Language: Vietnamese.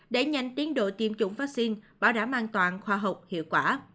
để nhanh tiến độ tiêm chủng vaccine bảo đảm an toàn khoa học hiệu quả